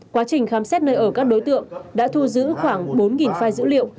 quá trình khám xét nơi ở các đối tượng đã thu giữ khoảng bốn file dữ liệu